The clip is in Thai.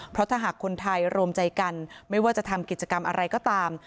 เพราะถ้าหากคนไทยรวมใจกันไม่ว่าจะทำกิจกรรมอะไรก็ตาม